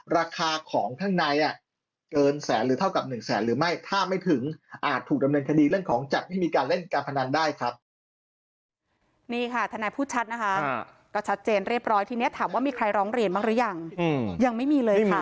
ราคาของข้างในอ่ะเกินแสนหรือเท่ากับหนึ่งแสนหรือไม่